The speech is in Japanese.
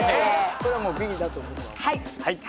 これはもうＢだと僕は思います。